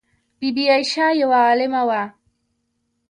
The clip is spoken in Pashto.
بی بي عایشه یوه عالمه وه.